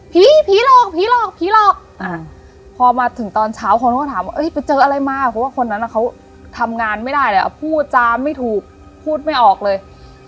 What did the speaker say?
ผีผีหลอกผีหลอกผีหลอกอ่าพอมาถึงตอนเช้าคนเขาก็ถามว่าเอ้ย